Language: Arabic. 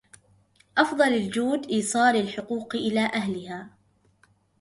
أفضل الجود ايصال الحقوق الى أهلها.